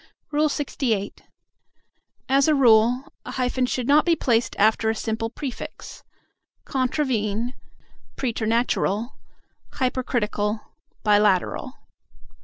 LXVIII. As a rule, a hyphen should not be placed after a simple prefix: "contravene," "preternatural," "hypercritical," "bilateral."